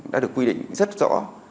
đã được quy định rất rõ